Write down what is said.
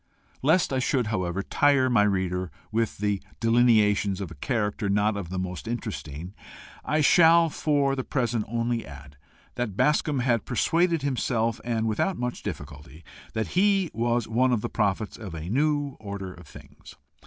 Lest I should, however, tire my reader with the delineations of a character not of the most interesting, I shall, for the present, only add that Bascombe had persuaded himself, and without much difficulty, that he was one of the prophets of a new order of things.